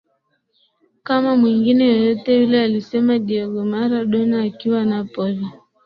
Kama mwingine yeyote yule alisema Diego Maradona akiwa Napol